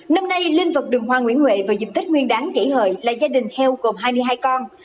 năm nay linh vật đường hoa nguyễn huệ vào dịp tết nguyên đáng kỷ hợi là gia đình heo gồm hai mươi hai con